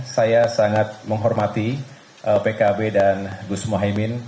saya sangat menghormati pkb dan gus mohaimin